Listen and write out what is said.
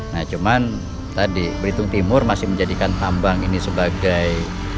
nah cuman tadi belitung timur masih menjadikan tambang ini sebagai